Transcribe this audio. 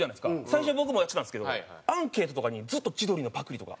最初僕もやってたんですけどアンケートとかにずっと「千鳥のパクリ」とか。